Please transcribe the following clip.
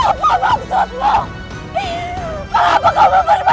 sejak pertama kali kita bertemu